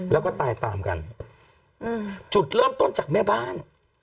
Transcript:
แล้วก็ตายตามกันอืมจุดเริ่มต้นจากแม่บ้าน